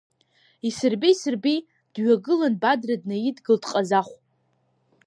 Исырби, исырби, дҩагылан Бадра днаидгылеит Ҟазахә.